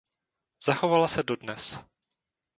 Zachovala se dodnes.